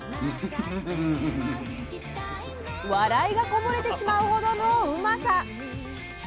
笑いがこぼれてしまうほどのうまさ！